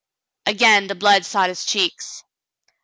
Again the blood sought his cheeks.